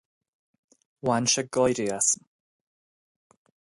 Bhain sé gáire asam.